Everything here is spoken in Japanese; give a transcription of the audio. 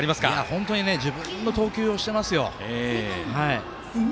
本当に自分の投球をしていますよ。